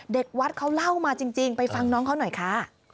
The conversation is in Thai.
เด็กวัดเขาเล่ามาจริงไปฟังน้องเขาหน่อยค่ะ